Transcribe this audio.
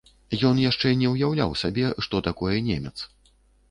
Ён яшчэ не ўяўляў сабе, што такое немец.